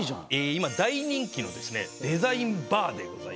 今大人気のデザインバーでございます。